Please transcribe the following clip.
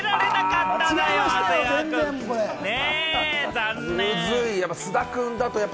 残念！